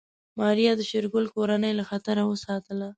ماريا د شېرګل کورنۍ له خطر وساتله.